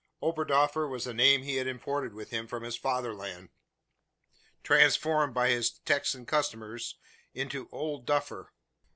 Oberdoffer was the name he had imported with him from his fatherland; transformed by his Texan customers into "Old Duffer."